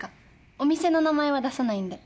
お店の名前は出さないんで。